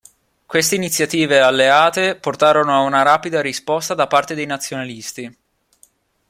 Queste iniziative alleate portarono a una rapida risposta da parte dei nazionalisti.